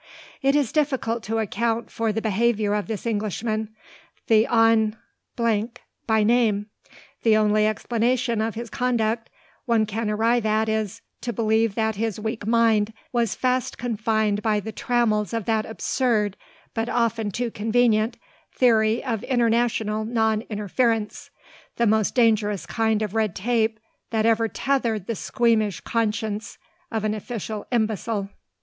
It is difficult to account for the behaviour of this Englishman, the Hon. by name. The only explanation of his conduct one can arrive at is, to believe that his weak mind was fast confined by the trammels of that absurd, but often too convenient, theory of international non interference, the most dangerous kind of red tape that ever tethered the squeamish conscience of an official imbecile.